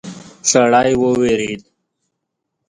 سړی وویرید.